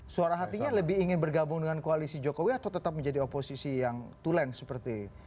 suara hatinya lebih ingin bergabung dengan koalisi jokowi atau tetap menjadi oposisi yang tuleng seperti